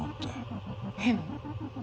変？